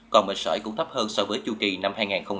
còn bệnh sởi cũng thấp hơn so với chưu kỳ năm hai nghìn một mươi bốn